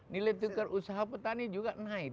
nilai tukar usaha petani juga naik